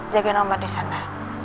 jagain omot di sana